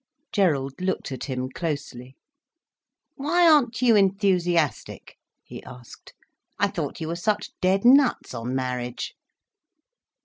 Gerald looked at him closely. "Why aren't you enthusiastic?" he asked. "I thought you were such dead nuts on marriage."